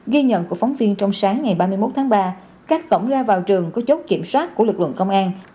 ghi nhận của phóng viên trong sáng ngày ba mươi một tháng ba các cổng ra vào trường có chốt kiểm soát của lực lượng công an